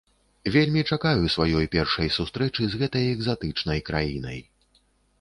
Вельмі чакаю сваёй першай сустрэчы з гэтай экзатычнай краінай.